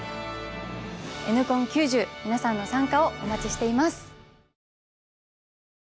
「Ｎコン９０」皆さんの参加をお待ちしています！